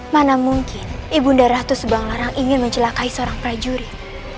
mana mungkin ibu nyima seratus subanglarang ingin mencelakai seorang prajurit